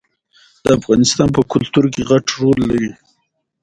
کندز سیند د افغان تاریخ په کتابونو کې ذکر شوی دي.